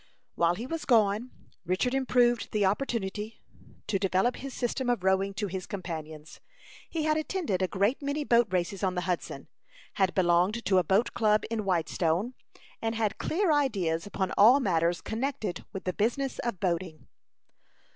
While he was gone, Richard improved the opportunity to develop his system of rowing to his companions. He had attended a great many boat races on the Hudson, had belonged to a boat club in Whitestone, and had clear ideas upon all matters connected with the business of boating.